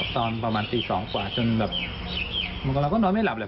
ตอนประมาณตี๒กว่าจนแบบเราก็นอนไม่หลับเลย